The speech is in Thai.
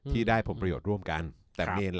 ที่ได้ผลประโยชน์ร่วมกัน